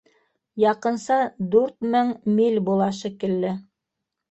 Яҡынса дүрт мең миль була шикелле.